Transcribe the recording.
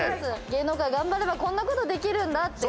芸能界頑張ればこんな事できるんだ！って。